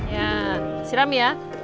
ya siram ya